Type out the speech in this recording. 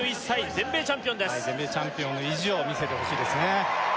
全米チャンピオンの意地を見せてほしいですね